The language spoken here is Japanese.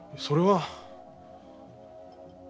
それは。